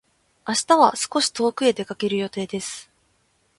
明日は少し遠くへ出かける予定です。